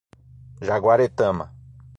Jaguaretama